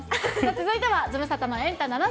続いてはズムサタのエンタ７３４。